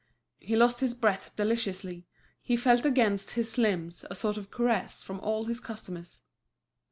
He lost his breath deliciously, he felt against his limbs a sort of caress from all his customers.